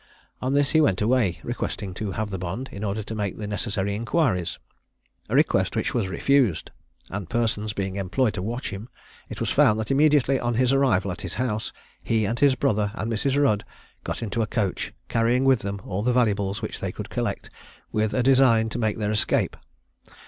On this he went away, requesting to have the bond, in order to make the necessary inquiries a request which was refused; and persons being employed to watch him, it was found that immediately on his arrival at his house, he and his brother and Mrs. Rudd got into a coach, carrying with them all the valuables which they could collect, with a design to make their escape.